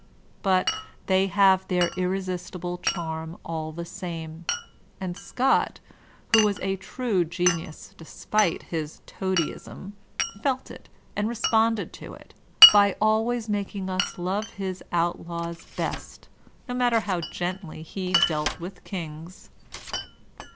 But they have their irresistible charm all the same, and Scott, who was a true genius despite his toadyism, felt it and responded to it, by al* ways making us love his outlaws best no matter how gently he dealt with kings.